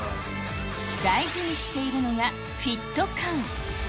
大事にしているのがフィット感。